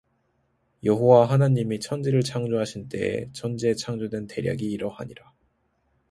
여호와 하나님이 천지를 창조하신 때에 천지의 창조된 대략이 이러하니라